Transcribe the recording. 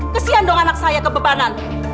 kesian dong anak saya kebebanan